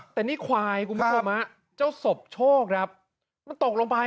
แต่นี่ควายกุมคมเจ้าศพโชคนะครับมันตกลงไป